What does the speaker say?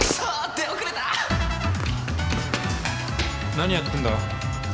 ・何やってんだ？